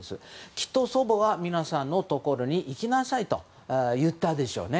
きっと祖母は皆さんのところに行きなさいと言ったでしょうね。